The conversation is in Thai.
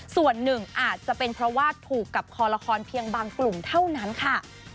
ส่วนหนึ่งอาจจะเป็นเพราะว่าถูกกับคอละครเพียงบางกลุ่มเท่านั้นค่ะ